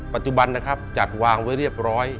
ปัจจุบันนะครับจัดวางไว้เรียบร้อย